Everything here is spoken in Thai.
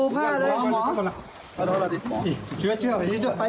อนะใจ